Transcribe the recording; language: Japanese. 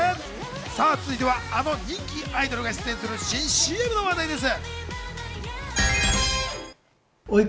続いては、あの人気アイドルが出演する新ＣＭの話題です。